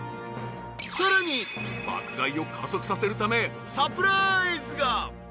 ［さらに爆買いを加速させるためサプライズが］